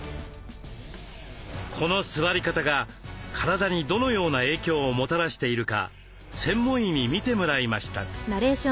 この座り方が体にどのような影響をもたらしているか専門医に診てもらいました。